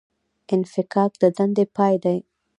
انفکاک د دندې پای دی